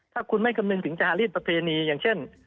ถ้าคุณไม่คำนึงถึงจารีสประเพณีอย่างเช่น